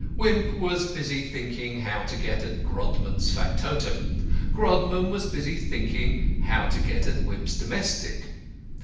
Wimp was busy thinking how to get at Grodman's factotum. Grodman was busy thinking how to get at Wimp's domestic.